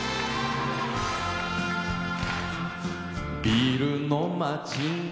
ビルの街